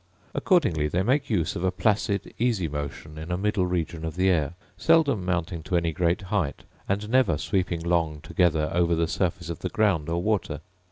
Accordingly they make use of a placid easy motion in a middle region of the air, seldom mounting to any great height, and never sweeping long together over the surface of the ground or water.